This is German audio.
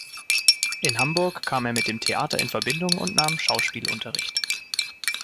In Hamburg kam er mit dem Theater in Verbindung und nahm Schauspielunterricht.